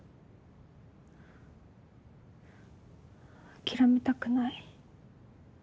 諦めたくない。